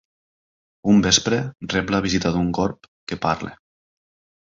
Un vespre, rep la visita d'un corb que parla.